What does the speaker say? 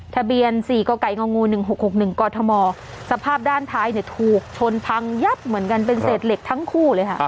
ทะเบียน๔กง๑๖๖๑กธมสภาพด้านท้ายเนี่ยถูกชนพังยับเหมือนกันเป็นเศษเหล็กทั้งคู่เลยค่ะ